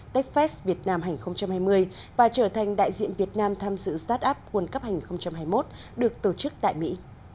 techfest việt nam hai nghìn hai mươi và trở thành đại diện việt nam tham dự start up world cup hai nghìn hai mươi một được tổ chức tại mỹ